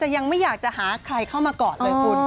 ยังไม่อยากจะหาใครเข้ามาก่อนเลยคุณ